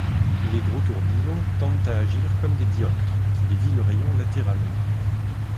Les gros tourbillons tendent à agir comme des dioptres qui dévient le rayon latéralement.